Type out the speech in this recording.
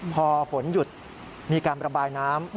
พอฝนหยุดมีการระบายน้ำ